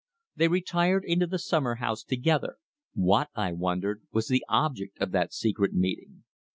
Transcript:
They retired into the summer house together. What, I wondered, was the object of that secret meeting?